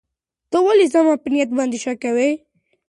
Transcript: ته ولې زما په نیت باندې شک کوې؟